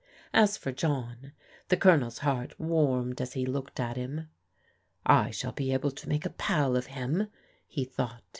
As for John, the Colonel's heart warmed as he looked at him. "I shall be able to make a pal of him," he thought.